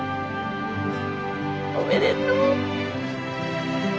おめでとう。